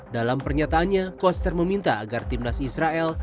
dalam pernyataannya koster meminta agar tim nas israel